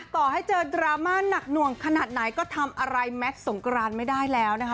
ต่อให้เจอดราม่าหนักหน่วงขนาดไหนก็ทำอะไรแมทสงกรานไม่ได้แล้วนะคะ